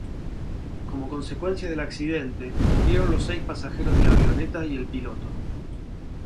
Como consecuencia del accidente murieron los seis pasajeros de la avioneta y el piloto.